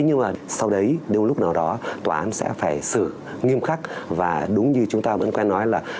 nhưng mà sau đấy đôi lúc nào đó tòa án sẽ phải xử nghiêm khắc và đúng như chúng ta vẫn quen nói là